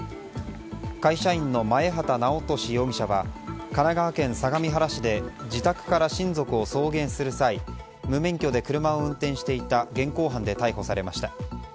会社員の前畑直俊容疑者は神奈川県相模原市で自宅から親族を送迎する際無免許で車を運転していた現行犯で逮捕されました。